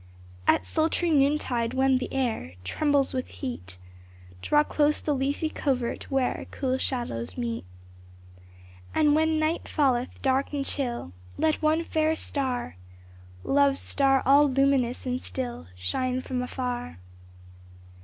At sultry noontide, when the air Trembles with heat. Draw close the leafy covert where Cool shadows meet. And when night falleth, dark and chill, Let one fair star. Love's star all luminous and still, Shine from afar.